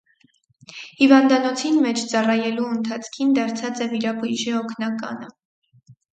Հիւանդանոցին մէջ ծառայելու ընթացքին դարձած է վիրաբոյժի օգնականը։